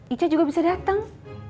ica juga bisa dateng